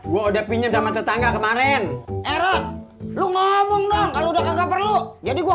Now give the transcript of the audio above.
gua udah pinjam sama tetangga kemarin erot lu ngomong dong kalau udah gak perlu jadi gua